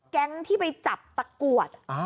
แก๊งที่ไปจับตะกรวด